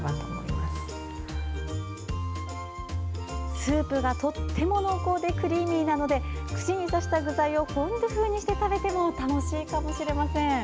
スープがとっても濃厚でクリーミーなので串に刺した具材をフォンデュ風にして食べても楽しいかもしれません。